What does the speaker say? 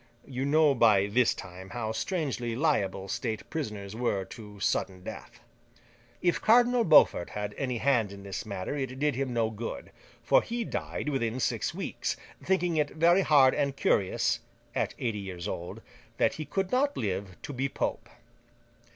You know by this time how strangely liable state prisoners were to sudden death. If Cardinal Beaufort had any hand in this matter, it did him no good, for he died within six weeks; thinking it very hard and curious—at eighty years old!—that he could not live to be Pope.